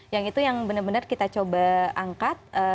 yang itu yang benar benar kita coba angkat